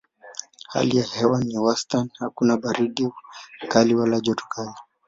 Hali ya hewa ni ya wastani hakuna baridi kali wala joto kali.